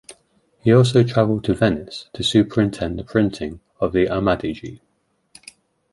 He also traveled to Venice to superintend the printing of the "Amadigi".